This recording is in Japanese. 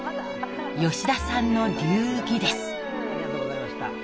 吉田さんの流儀です。